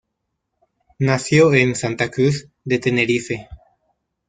Nació en Santa Cruz de Tenerife.